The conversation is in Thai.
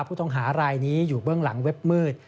ผู้ต้องหารายนี้อยู่เบื้องหลังเว็บมืด